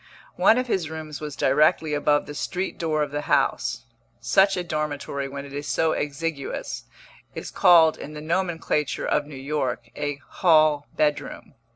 One of his rooms was directly above the street door of the house; such a dormitory, when it is so exiguous, is called in the nomenclature of New York a "hall bedroom."